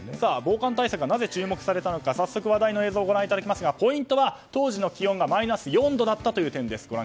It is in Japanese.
防寒対策がなぜ注目されたのか早速、話題の映像をご覧いただきますがポイントは当時の気温がマイナス４度だったという点です。